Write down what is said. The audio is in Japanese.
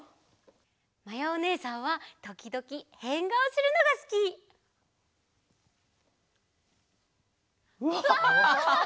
まやおねえさんはときどきへんがおするのがすき！わハハハハ。